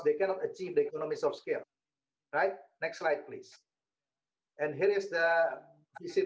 saya akan mengambil sedikit waktu yang lebih panjang di sini